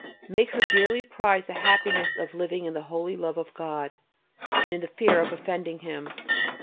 Make her dearly prize the happiness of living in the holy love of God, and in the fear of offending Him.